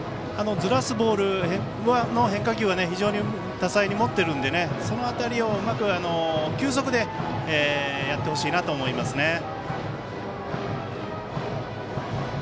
ずらすボールの変化球は非常に多彩に持っているのでその辺りをうまく球速でやってほしいなと思いますね。